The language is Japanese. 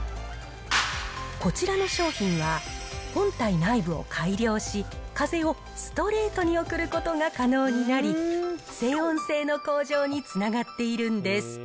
こちらの商品は本体内部を改良し、風をストレートに送ることが可能になり、静音性の向上につながっているんです。